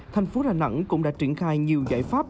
thành phố đà nẵng cũng đã triển khai nhiều giải pháp